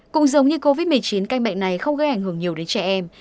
cũng giống như covid một mươi chín căn bệnh này không gây ảnh hưởng nhiều đến trẻ em